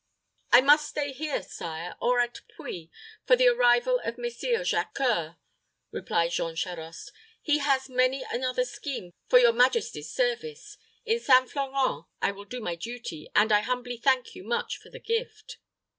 "I must stay here, sire or at Puy, for the arrival of Messire Jacques C[oe]ur," replied Jean Charost. "He has many another scheme for your majesty's service. In St. Florent I will do my duty, and I humbly thank you much for the gift."